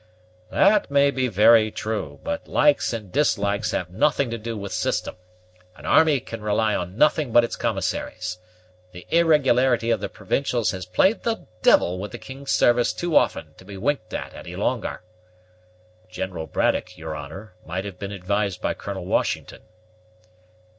"That may be very true; but likes and dislikes have nothing to do with system. An army can rely on nothing but its commissaries. The irregularity of the provincials has played the devil with the king's service too often to be winked at any longer." "General Braddock, your honor, might have been advised by Colonel Washington."